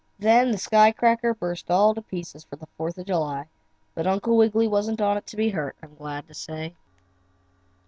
Then the sky cracker burst all to pieces for Fourth of July, but Uncle Wiggily wasn't on it to be hurt, I'm glad to say.